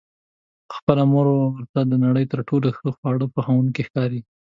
خپله مور ورته د نړۍ تر ټولو ښه خواړه پخوونکې ښکاري.